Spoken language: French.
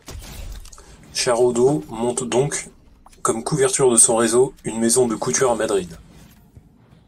Charaudeau monte donc, comme couverture de son réseau, une maison de couture à Madrid.